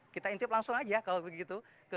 kita intip langsung aja kalau begitu